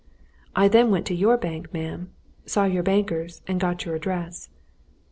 I then went to your bank, ma'am, saw your bankers, and got your address.